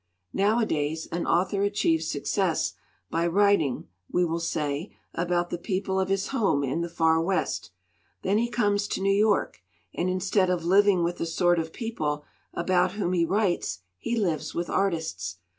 "Nowadays, an author achieves success by 190 THE NOVEL MUST GO writing, we will say, about the people of his home in the Far West. Then he comes to New York. And instead of living with the sort of people about whom he writes, he lives with artists.